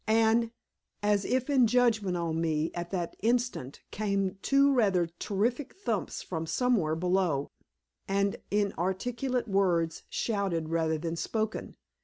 And, as if in judgment on me, at that instant came two rather terrific thumps from somewhere below, and inarticulate words, shouted rather than spoken.